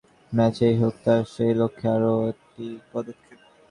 অস্ট্রেলিয়ার বিপক্ষে আজকের ম্যাচই হোক তাঁর সেই লক্ষ্যে আরও একটি পদক্ষেপ।